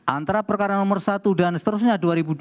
antara perkara nomor satu dan seterusnya dua ribu dua puluh